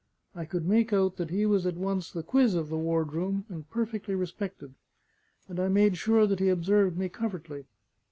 I could make out that he was at once the quiz of the ward room and perfectly respected; and I made sure that he observed me covertly.